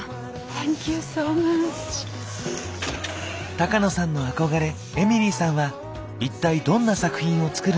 高野さんの憧れエミリーさんは一体どんな作品を作るのか。